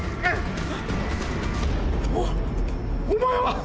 おお前は！